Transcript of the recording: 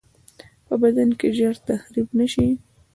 په بدن کې ژر تخریب نشي.